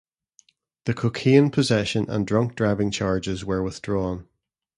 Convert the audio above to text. The cocaine possession and drunk driving charges were withdrawn.